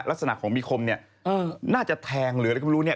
ลักษณะของมีคมเนี่ยน่าจะแทงหรืออะไรก็ไม่รู้เนี่ย